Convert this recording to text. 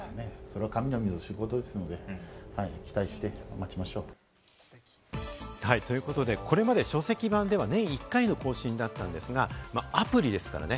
おいしそう！ということで、これまで書籍版では年１回の更新だったんですが、アプリですからね。